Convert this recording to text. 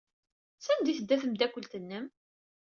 Sanda ay tedda tmeddakelt-nnem?